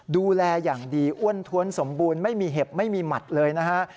ดูแลอย่างดีอ้วนท้วนสมบูรณ์ไม่มีเห็บไม่มีหมัดเลยนะฮะ